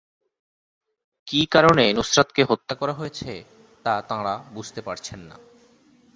কী কারণে নুসরাতকে হত্যা করা হয়েছে, তা তাঁরা বুঝতে পারছেন না।